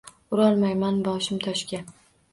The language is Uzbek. Urolmayman boshim toshga